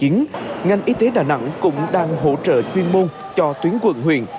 ngành y tế đà nẵng cũng đang hỗ trợ chuyên môn cho tuyến quận huyện